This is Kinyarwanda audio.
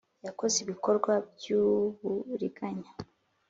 Yakoze ibikorwa by uburiganya